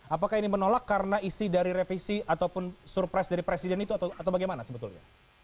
apakah ini menolak karena isi dari revisi ataupun surprise dari presiden itu atau bagaimana sebetulnya